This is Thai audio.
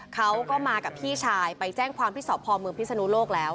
เขาก็มากับพี่ชายไปแจ้งความที่สพเมืองพิศนุโลกแล้ว